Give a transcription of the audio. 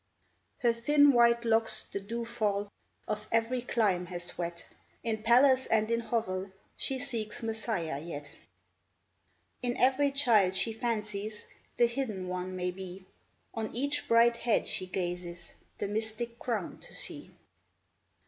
Her thin white locks the dew fall , Of every clime has wet — In palace and in hovel She seeks Messiah yet ! In every child she fancies The Hidden One may be, On each bright head she gazes The mystic crown to see.